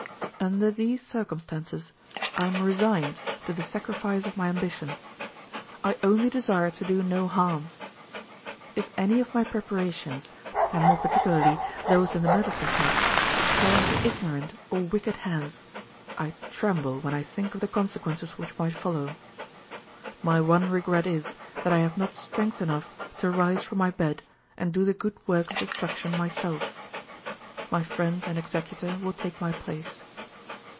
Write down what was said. "'Under these circumstances, I am resigned to the sacrifice of my ambition I only desire to do no harm. If any of my preparations, and more particularly those in the medicine chest, fell into ignorant or wicked hands, I tremble when I think of the consequences which might follow. My one regret is, that I have not strength enough to rise from my bed, and do the good work of destruction myself. My friend and executor will take my place.